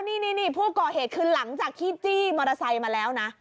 นี่ผู้ก่อเหตุคือหลังจากที่จี้มอเตอร์ไซค์มาแล้วนะ